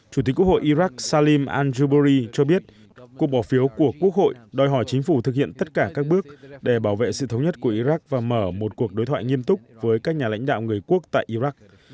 chủ tịch quốc hội iraq salim alzhobori cho biết cuộc bỏ phiếu của quốc hội đòi hỏi chính phủ thực hiện tất cả các bước để bảo vệ sự thống nhất của iraq và mở một cuộc đối thoại nghiêm túc với các nhà lãnh đạo người quốc tại iraq